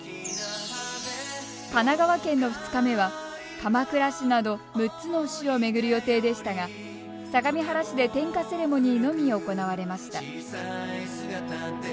神奈川県の２日目は鎌倉市など６つの市を巡る予定でしたが相模原市で点火セレモニーのみ行われました。